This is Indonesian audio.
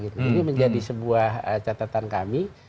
ini menjadi sebuah catatan kami